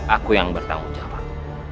aku yang bertanggung jawab